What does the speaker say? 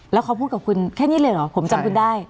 แล้วเขาพูดกับคุณแค่นี้เลยเหรอผมจำคุณได้